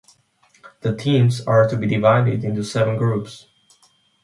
The teams are to be divided into seven groups.